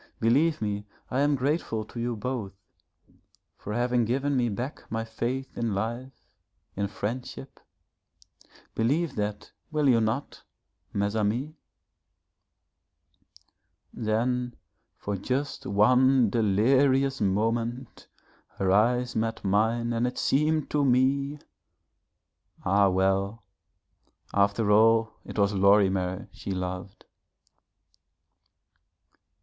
Believe me, I am grateful to you both for having given me back my faith in life, in friendship, believe that, will you not, mes amis?' Then for just one delirious moment her eyes met mine and it seemed to me ah, well, after all it was Lorimer she loved.